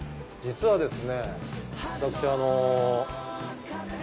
実はですね